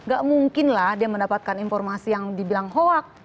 gak mungkin lah dia mendapatkan informasi yang dibilang hoak